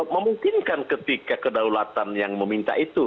memungkinkan ketika kedaulatan yang meminta itu